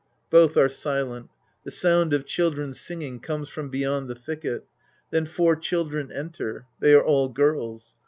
{Both are silent. The sound of children singing comes from beyond the thicket. Then four children enter. They are all girls.